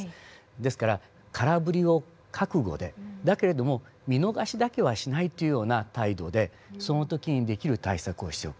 ですから空振りを覚悟でだけれども見逃しだけはしないというような態度でその時にできる対策をしておく。